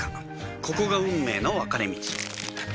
ここが運命の分かれ道